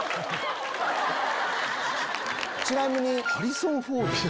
ちなみに。